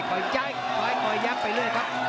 ขอยใจขอยยักษ์ไปเรื่อยครับ